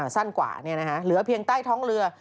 สั้นกว่าเหลือเพียงใต้ท้องเรือ